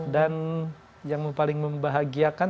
dan yang paling membahagiakan